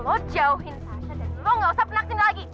lo jauhin tasya dan lo nggak usah penaksin lagi